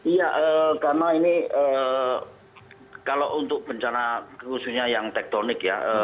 iya karena ini kalau untuk bencana khususnya yang tektonik ya